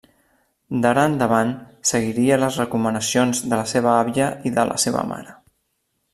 D'ara endavant, seguiria les recomanacions de la seva àvia i de la seva mare.